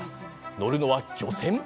乗るのは漁船。